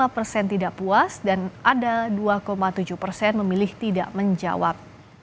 lima persen tidak puas dan ada dua tujuh persen memilih tidak menjawab